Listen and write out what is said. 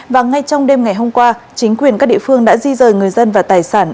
và ngay trong đêm ngày hôm qua chính quyền các địa phương đã di rời người dân và tài sản